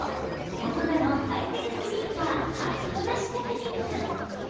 大人のハイテクスニーカー履きこなしテクニック。